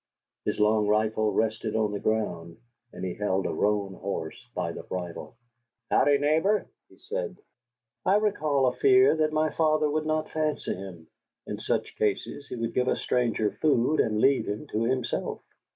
His long rifle rested on the ground, and he held a roan horse by the bridle. "Howdy, neighbor?" said he. I recall a fear that my father would not fancy him. In such cases he would give a stranger food, and leave him to himself.